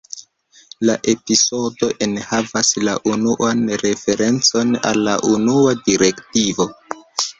La epizodo enhavas la unuan referencon al la Unua direktivo.